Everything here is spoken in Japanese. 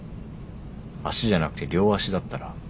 足じゃなくて両足だったら。